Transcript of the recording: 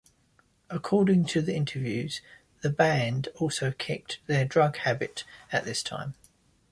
According to interviews, the band also kicked their drug habit at this time.